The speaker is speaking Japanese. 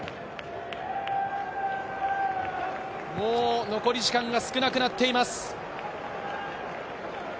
もう残り時間が少なくなっています。